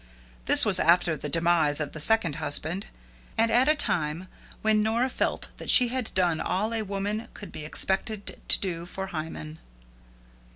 This was after the demise of the second husband, and at a time when Nora felt that she had done all a woman could be expected to do for Hymen.